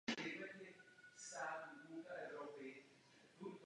Právě o tom zde nyní mluvíme.